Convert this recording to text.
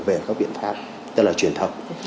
về các biện pháp tức là truyền thông